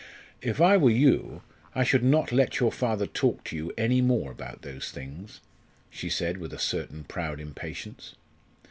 "If I were you, I should not let your father talk to you any more about those things," she said with a certain proud impatience.